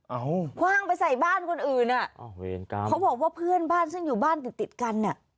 เอาคว่างไปใส่บ้านคนอื่นอ่ะเวรกรรมเขาบอกว่าเพื่อนบ้านซึ่งอยู่บ้านติดติดกันอ่ะ